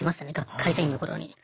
会社員の頃に。